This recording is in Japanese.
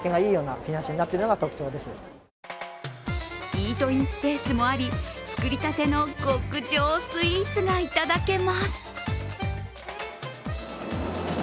イートインスペースもあり作りたての極上スイーツがいただけます。